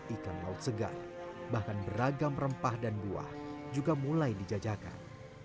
ikan laut segar bahkan beragam rempah dan buah juga mulai dijajakan